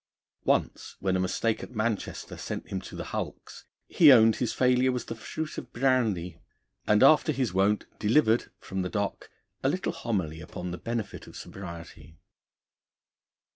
Once when a mistake at Manchester sent him to the Hulks, he owned his failure was the fruit of brandy, and after his wont delivered (from the dock) a little homily upon the benefit of sobriety.